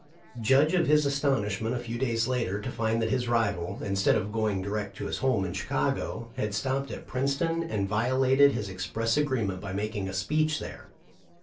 Judge of his astonishment a few days later to find that his rival, instead of going direct to his home in Chicago, had stopped at Princeton and violated his express agreement by making a speech there